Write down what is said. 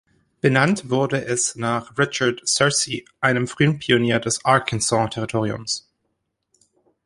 Benannt wurde es nach "Richard Searcy", einem frühen Pionier des Arkansas-Territoriums.